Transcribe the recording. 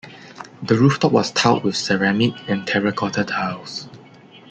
The rooftop was tiled with ceramic and terracotta tiles.